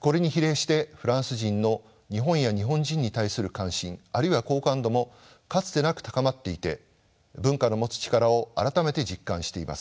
これに比例してフランス人の日本や日本人に対する関心あるいは好感度もかつてなく高まっていて文化の持つ力を改めて実感しています。